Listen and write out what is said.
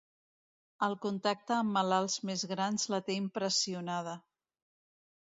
El contacte amb malalts més grans la té impressionada.